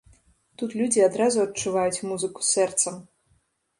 Тут людзі адразу адчуваюць музыку сэрцам.